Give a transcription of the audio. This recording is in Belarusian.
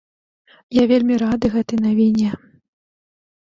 Я вельмі рады гэтай навіне!